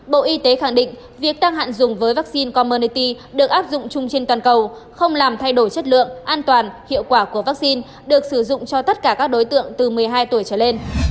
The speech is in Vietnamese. bộ y tế khẳng định việc tăng hạn dùng với vaccine commerty được áp dụng chung trên toàn cầu không làm thay đổi chất lượng an toàn hiệu quả của vaccine được sử dụng cho tất cả các đối tượng từ một mươi hai tuổi trở lên